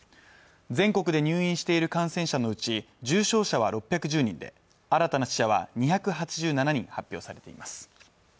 全国で入院している感染者のうち重症者は６１０人で新たな死者は２８７人発表されています